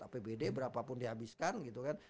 apbd berapa pun dihabiskan gitu kan